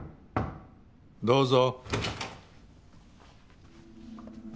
どうぞ。